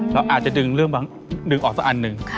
เราอาจจะดึงออกสักอันนึง